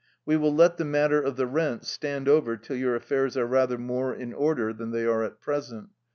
We will let the matter of the rent stand over till your affairs are rather more in order than they are at present.